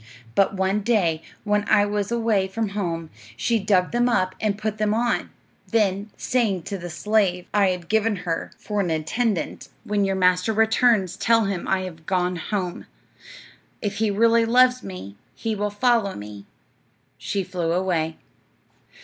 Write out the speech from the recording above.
"'But one day, when I was away from home, she dug them up and put them on; then, saying to the slave I had given her for an attendant, "When your master returns tell him I have gone home; if he really loves me he will follow me," she flew away.